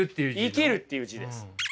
生きるっていう字です。